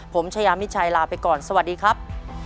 ผมชายามิชัยลาไปก่อนสวัสดีครับ